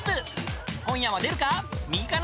［今夜は出るか？